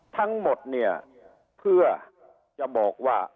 ทั้งหมดเนี่ยเพื่อจะบอกว่า